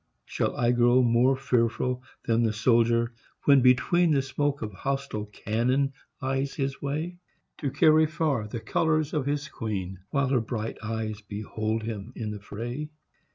Shall I grow More fearful than the soldier, when between The smoke of hostile cannon lies his way; To carry far the colours of his queen, While her bright eyes behold him in the fray?